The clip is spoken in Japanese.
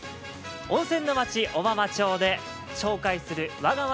温泉の町、小浜町で紹介する我が街